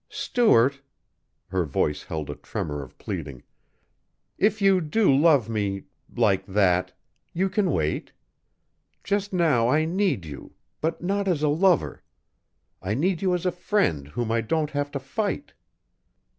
"Stuart " Her voice held a tremor of pleading. "If you do love me like that you can wait. Just now I need you but not as a lover. I need you as a friend whom I don't have to fight."